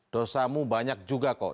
dosamu banyak juga kok